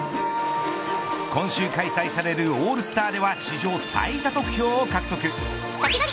今週開催されるオールスターでは史上最多得票を獲得。